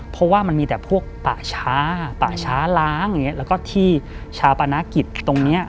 เพราะว่ามันมีแต่พวกป่าช้าป่าช้าล้างอย่างเงี้แล้วก็ที่ชาปนกิจตรงเนี้ย